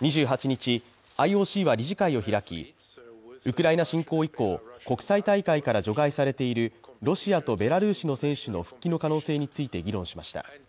２８日、ＩＯＣは理事会を開き、ウクライナ侵攻以降、国際大会から除外されているロシアとベラルーシの選手の復帰の可能性について議論しました。